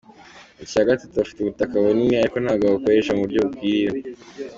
Icya gatatu bafite ubutaka bunini ariko ntabwo babukoresha mu buryo bukwiriye.